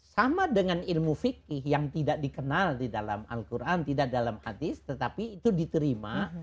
sama dengan ilmu fiqh yang tidak dikenal di dalam alquran tidak dalam hadits tetapi itu diterima